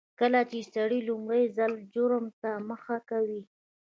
کله چې سړی لومړي ځل جرم ته مخه کوي